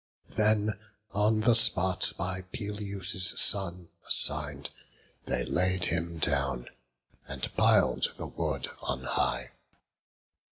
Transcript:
Then on the spot by Peleus' son assign'd, They laid him down, and pil'd the wood on high.